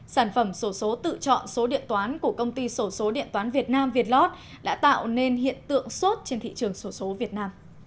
sản phẩm sổ số tự chọn số điện toán của công ty sổ số điện toán việt nam vietlot đã tạo nên hiện tượng sốt trên thị trường sổ số việt nam